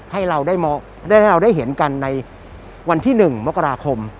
ให้เราได้เราได้เห็นกันในวันที่๑มกราคม